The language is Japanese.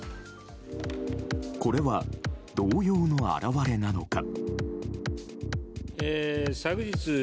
これは動揺の表れなのか。